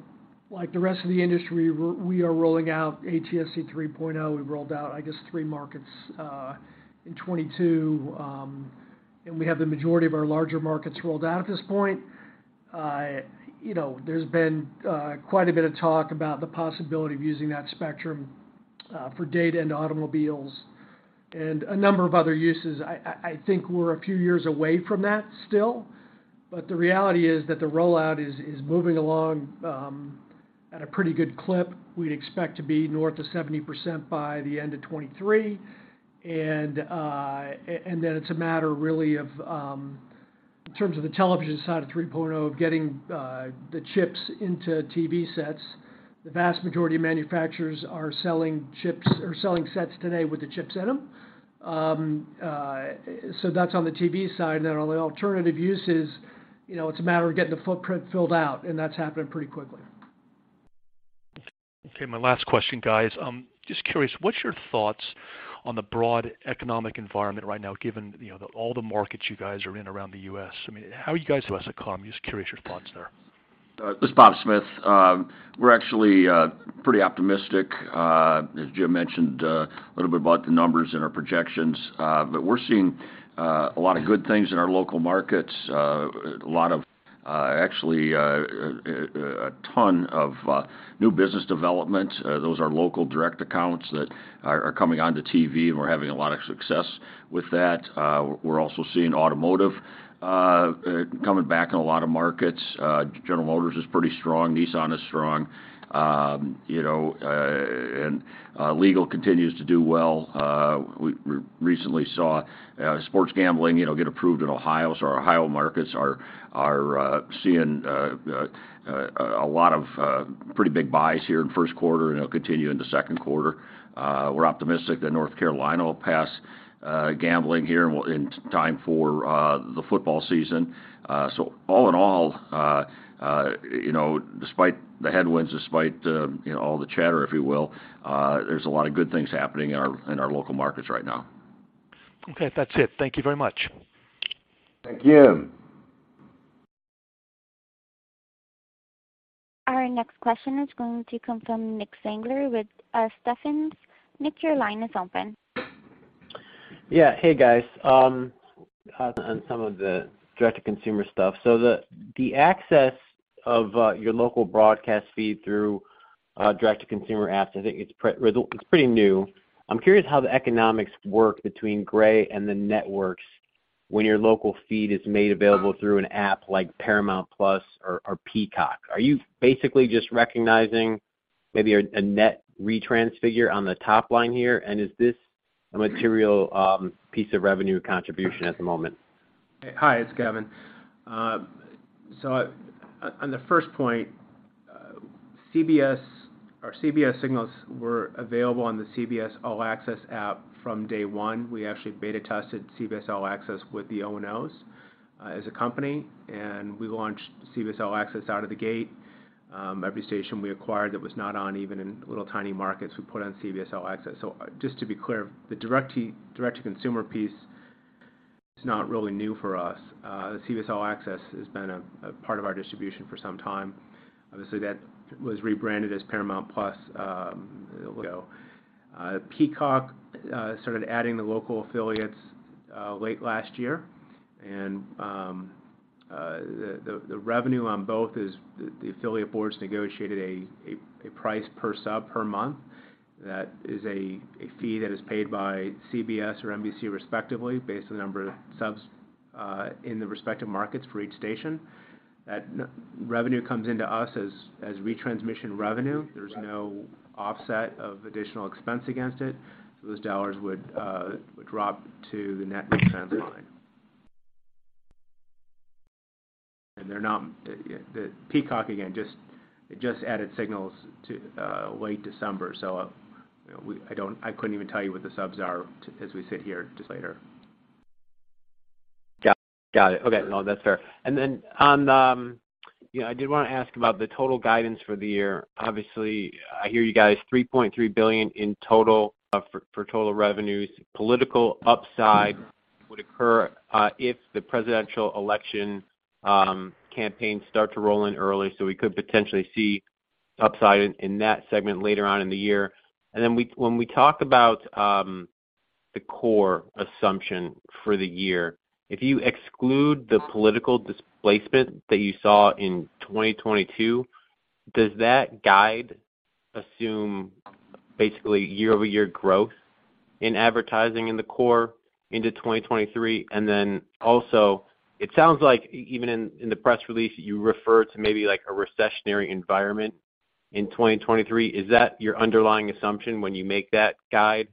like the rest of the industry, we are rolling out ATSC 3.0. We've rolled out, I guess, three markets in 2022. We have the majority of our larger markets rolled out at this point. You know, there's been quite a bit of talk about the possibility of using that spectrum for data into automobiles and a number of other uses. I think we're a few years away from that still. The reality is that the rollout is moving along at a pretty good clip. We'd expect to be north of 70% by the end of 2023. It's a matter really of, in terms of the television side of 3.0 getting the chips into TV sets. The vast majority of manufacturers are selling chips or selling sets today with the chips in them. So that's on the TV side. On the alternative uses, you know, it's a matter of getting the footprint filled out, and that's happening pretty quickly. Okay. My last question, guys. Just curious, what's your thoughts on the broad economic environment right now, given, you know, the, all the markets you guys are in around the U.S.? I mean, how are you guys? This is Bob Smith. We're actually pretty optimistic, as Jim mentioned a little bit about the numbers and our projections. We're seeing a lot of good things in our local markets, a lot of actually a ton of new business development. Those are local direct accounts that are coming onto TV, and we're having a lot of success with that. We're also seeing automotive coming back in a lot of markets. General Motors is pretty strong. Nissan is strong. You know, and legal continues to do well. We recently saw sports gambling, you know, get approved in Ohio. Our Ohio markets are seeing a lot of pretty big buys here in first quarter and it'll continue in the second quarter. We're optimistic that North Carolina will pass gambling here in time for the football season. All in all, you know, despite the headwinds, despite, you know, all the chatter, if you will, there's a lot of good things happening in our, in our local markets right now. Okay. That's it. Thank you very much. Thank you. Our next question is going to come from Nick Zangler with Stephens. Nick, your line is open. Yeah. Hey, guys. On some of the direct-to-consumer stuff. The access of your local broadcast feed through direct-to-consumer apps, I think it's pretty new. I'm curious how the economics work between Gray and the networks when your local feed is made available through an app like Paramount+ or Peacock. Are you basically just recognizing maybe a net retrans figure on the top line here? Is this a material piece of revenue contribution at the moment? Hi, it's Kevin. On the first point, CBS or CBS signals were available on the CBS All Access app from day one. We actually beta tested CBS All Access with the O&Os as a company, we launched CBS All Access out of the gate. Every station we acquired that was not on even in little tiny markets, we put on CBS All Access. Just to be clear, the direct-to-consumer piece is not really new for us. CBS All Access has been a part of our distribution for some time. Obviously, that was rebranded as Paramount+. Peacock started adding local affiliates late last year. The revenue on both affiliate boards negotiates a price per sub per month, that is a fee paid by CBS or NBC respectively, based on the number of subs in the respective markets for each station. That revenue comes to us as retransmission revenue. There is no offset additional expense against it, so those dollars drop to the net income line. And they're not, the peak happened again, it just added signals to late December, so I couldn't even tell you what the subs are as we sit here, just later. Got it. Okay. No, that's fair. On, you know, I did wanna ask about the total guidance for the year. Obviously, I hear you guys $3.3 billion in total for total revenues. Political upside would occur if the presidential election campaigns start to roll in early, so we could potentially see upside in that segment later on in the year. When we talk about the core assumption for the year, if you exclude the political displacement that you saw in 2022, does that guide assume basically year-over-year growth in advertising in the core into 2023? Also it sounds like even in the press release, you refer to maybe like a recessionary environment in 2023. Is that your underlying assumption when you make that guide?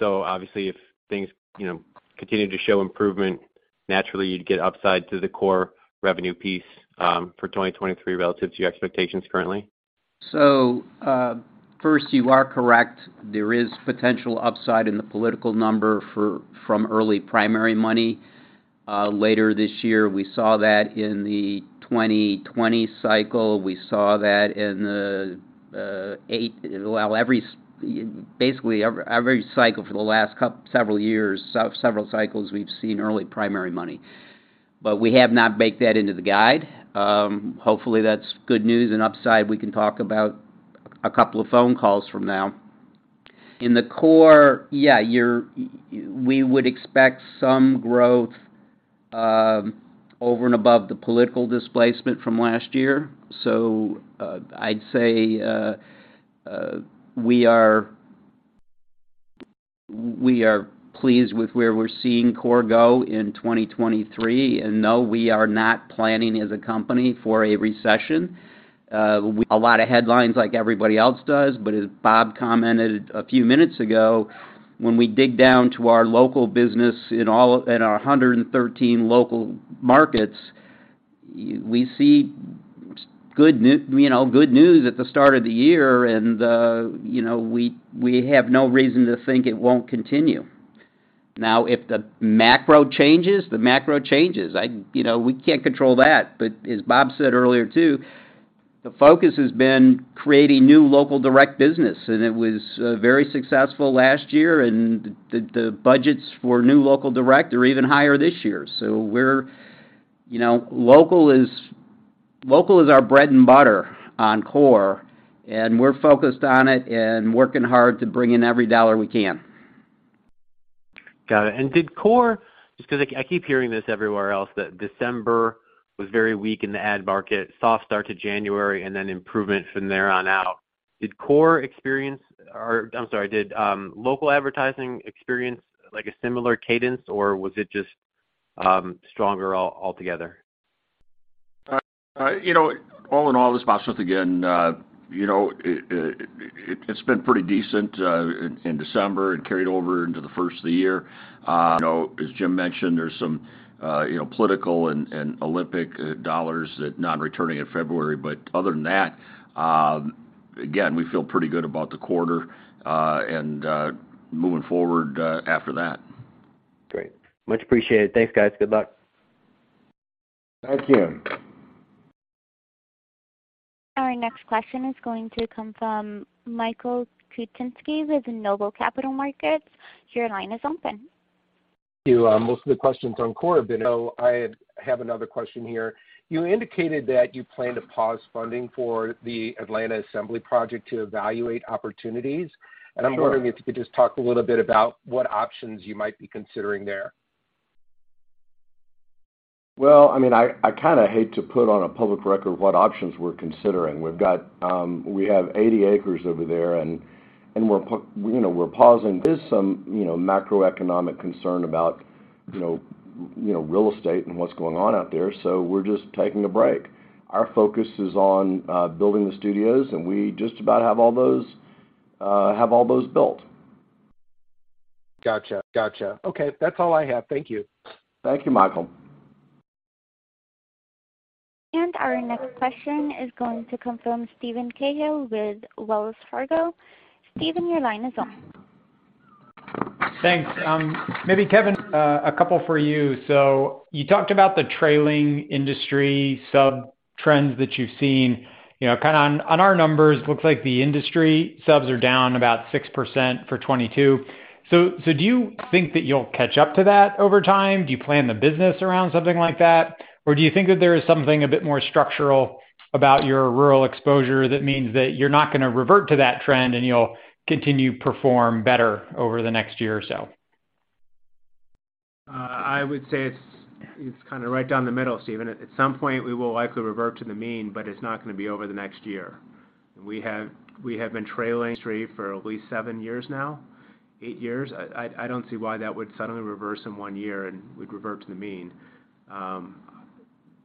Obviously if things, you know, continue to show improvement, naturally you'd get upside to the core revenue piece for 2023 relative to your expectations currently. First, you are correct. There is potential upside in the political number from early primary money later this year. We saw that in the 2020 cycle. We saw that in the Well, basically every cycle for the last several years, several cycles, we've seen early primary money. We have not baked that into the guide. Hopefully that's good news and upside we can talk about a couple of phone calls from now. In the core, yeah, we would expect some growth over and above the political displacement from last year. I'd say we are pleased with where we're seeing core go in 2023. No, we are not planning as a company for a recession. Mm-hmm. A lot of headlines like everybody else does. As Bob commented a few minutes ago, when we dig down to our local business in our 113 local markets, we see good news at the start of the year. You know, we have no reason to think it won't continue. Now, if the macro changes, the macro changes. I, you know, we can't control that. As Bob said earlier, too, the focus has been creating new local direct business, and it was very successful last year, and the budgets for new local direct are even higher this year. You know, local is our bread and butter on core, and we're focused on it and working hard to bring in every dollar we can. Got it. Did core... Just 'cause I keep hearing this everywhere else, that December was very weak in the ad market, soft start to January and then improvement from there on out. Did local advertising experience like a similar cadence, or was it just stronger altogether? you know, all in all, this is Bob Smith again, you know, it's been pretty decent in December and carried over into the first of the year. you know, as Jim mentioned, there's some, you know, political and Olympic dollars that not returning in February. Other than that, again, we feel pretty good about the quarter, and moving forward after that. Great. Much appreciated. Thanks, guys. Good luck. Thank you. Our next question is going to come from Michael Kupinski with Noble Capital Markets. Your line is open. Thank you. Most of the questions on core have been. I have another question here. You indicated that you plan to pause funding for the Atlanta Assembly project to evaluate opportunities. Sure. I'm wondering if you could just talk a little bit about what options you might be considering there. I mean, I kinda hate to put on a public record what options we're considering. We've got. We have 80 acres over there, and you know, we're pausing. There's some, you know, macroeconomic concern about, you know, real estate and what's going on out there. We're just taking a break. Our focus is on building the studios. We just about have all those built. Gotcha. Gotcha. Okay. That's all I have. Thank you. Thank you, Michael. Our next question is going to come from Steven Cahall with Wells Fargo. Steven, your line is open. Thanks. Maybe Kevin, a couple for you. You talked about the trailing industry sub-trends that you've seen. You know, kind of on our numbers, looks like the industry subs are down about 6% for 22. Do you think that you'll catch up to that over time? Do you plan the business around something like that? Do you think that there is something a bit more structural about your rural exposure that means that you're not gonna revert to that trend and you'll continue to perform better over the next year or so? I would say it's kinda right down the middle, Steven. At some point, we will likely revert to the mean, but it's not gonna be over the next year. We have been trailing for at least seven years now, eight years. I don't see why that would suddenly reverse in one year, and we'd revert to the mean.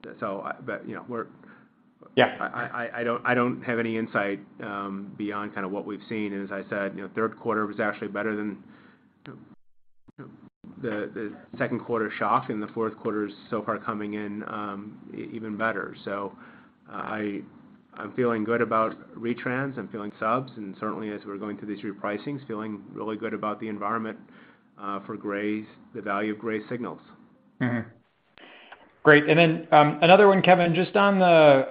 You know, Yeah. I don't have any insight beyond kinda what we've seen. As I said, you know, third quarter was actually better than the second quarter shock, and the fourth quarter is so far coming in even better. I'm feeling good about retrans, I'm feeling subs, and certainly as we're going through these repricings, feeling really good about the environment for Gray's the value of Gray signals. Great. Another one, Kevin, just on the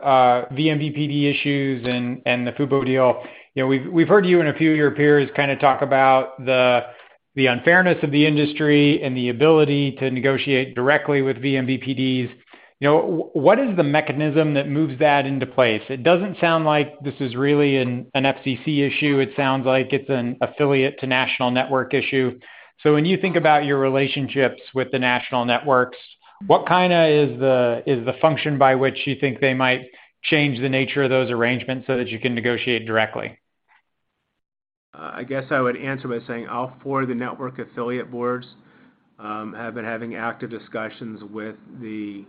vMVPD issues and the FuboTV deal. You know, we've heard you and a few of your peers kinda talk about the unfairness of the industry and the ability to negotiate directly with vMVPDs. You know, what is the mechanism that moves that into place? It doesn't sound like this is really an FCC issue. It sounds like it's an affiliate to national network issue. When you think about your relationships with the national networks, what kinda is the function by which you think they might change the nature of those arrangements so that you can negotiate directly? I guess I would answer by saying all four of the network affiliate boards have been having active discussions with the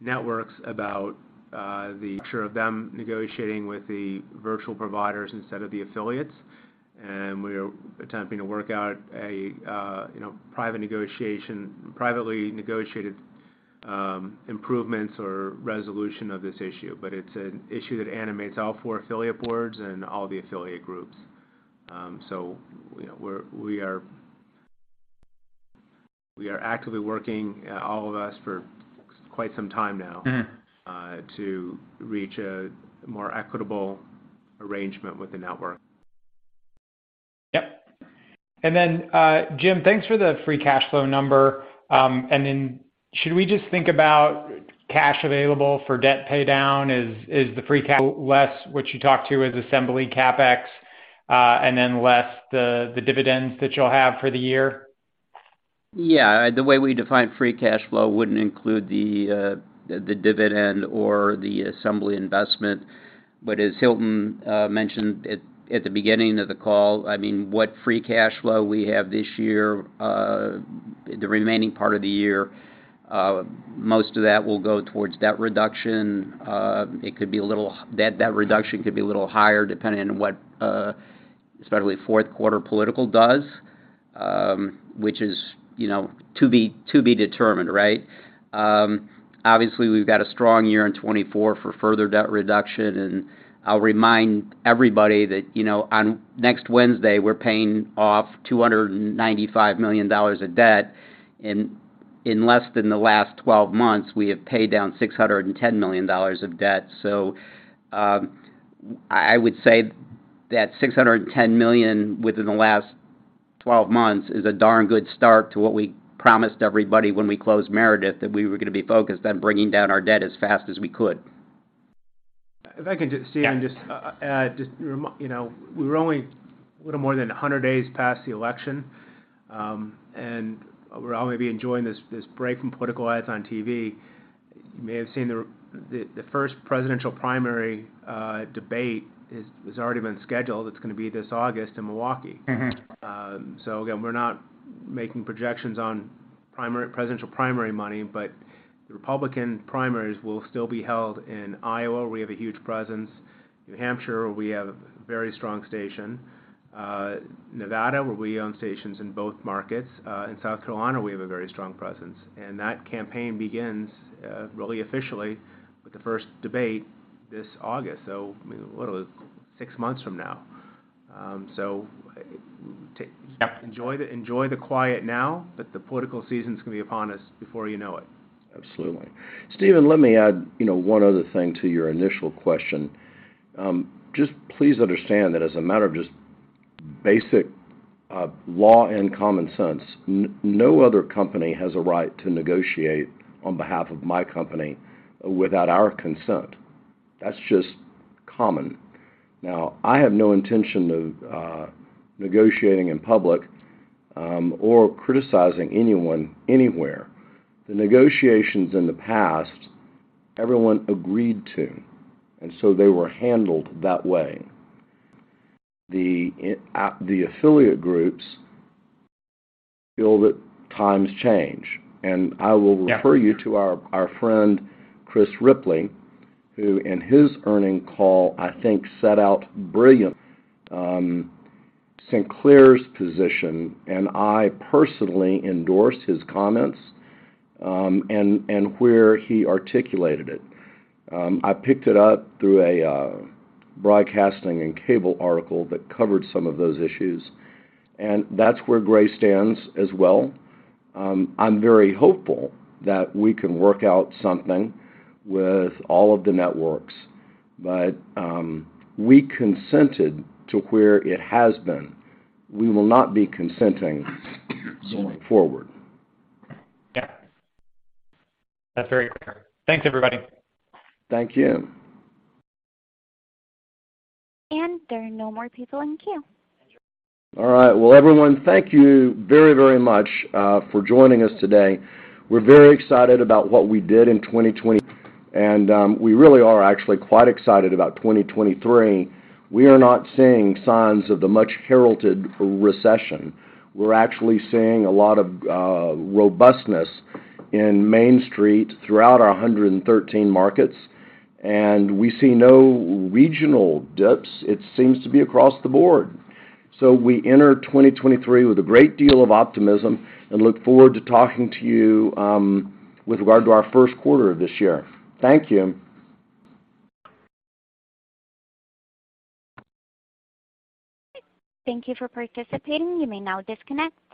networks about the picture of them negotiating with the virtual providers instead of the affiliates. We are attempting to work out a, you know, privately negotiated improvements or resolution of this issue. It's an issue that animates all 4 affiliate boards and all the affiliate groups. You know, we are actively working, all of us, for quite some time now. Mm-hmm... to reach a more equitable arrangement with the network. Yep. Jim, thanks for the free cash flow number. Should we just think about cash available for debt paydown? Is the free cash less what you talked to as Assembly CapEx, less the dividends that you'll have for the year? Yeah. The way we define free cash flow wouldn't include the dividend or the Assembly Investment. As Hilton mentioned at the beginning of the call, I mean, what free cash flow we have this year, the remaining part of the year, most of that will go towards debt reduction. Debt reduction could be a little higher depending on what especially fourth quarter political does, which is, you know, to be determined, right? Obviously, we've got a strong year in 2024 for further debt reduction. I'll remind everybody that, you know, on next Wednesday, we're paying off $295 million of debt. In less than the last 12 months, we have paid down $610 million of debt. I would say that $610 million within the last 12 months is a darn good start to what we promised everybody when we closed Meredith, that we were gonna be focused on bringing down our debt as fast as we could. If I could just- Yeah Steven, just add, you know, we're only a little more than 100 days past the election, we're all maybe enjoying this break from political ads on TV. You may have seen the first presidential primary debate has already been scheduled. It's gonna be this August in Milwaukee. Mm-hmm. Again, we're not making projections on presidential primary money, but the Republican primaries will still be held in Iowa, where we have a huge presence, New Hampshire, where we have a very strong station, Nevada, where we own stations in both markets. In South Carolina, we have a very strong presence. That campaign begins, really officially with the first debate this August. I mean, what, six months from now. Yep Enjoy the quiet now, but the political season's gonna be upon us before you know it. Absolutely. Steven, let me add, you know, one other thing to your initial question. just please understand that as a matter of just basic, law and common sense, no other company has a right to negotiate on behalf of my company without our consent. That's just common. I have no intention of negotiating in public, or criticizing anyone anywhere. The negotiations in the past, everyone agreed to, so they were handled that way. The affiliate groups feel that times change. I will refer you- Yeah ...to our friend, Chris Ripley, who in his earnings call, I think set out brilliantly, Sinclair's position, and I personally endorse his comments, and where he articulated it. I picked it up through a Broadcasting & Cable article that covered some of those issues, and that's where Gray stands as well. I'm very hopeful that we can work out something with all of the networks, but we consented to where it has been. We will not be consenting going forward. Yeah. That's very clear. Thanks, everybody. Thank you. There are no more people in queue. All right. Well, everyone, thank you very, very much for joining us today. We're very excited about what we did in 2022, we really are actually quite excited about 2023. We are not seeing signs of the much-heralded recession. We're actually seeing a lot of robustness in Main Street throughout our 113 markets, and we see no regional dips. It seems to be across the board. We enter 2023 with a great deal of optimism and look forward to talking to you with regard to our first quarter of this year. Thank you. Thank you for participating. You may now disconnect.